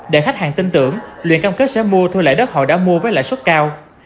để khách hàng tin tưởng luyện cam kết sẽ mua thu lại đất họ đã mua với lãi suất cao